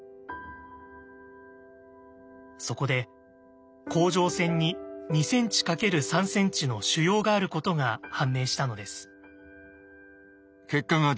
そこで甲状腺に２ｃｍ×３ｃｍの腫瘍があることが判明したのです。